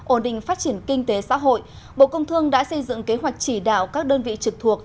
ổn định phát triển kinh tế xã hội bộ công thương đã xây dựng kế hoạch chỉ đạo các đơn vị trực thuộc